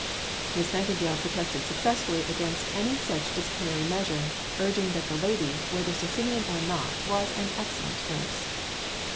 Miss Nightingale protested successfully against any such disciplinary measure, urging that the lady, whether Socinian or not, was an excellent nurse.